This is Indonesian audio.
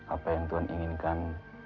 apa yang tuhan inginkan